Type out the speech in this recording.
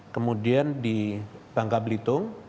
kemudian di bangka blitung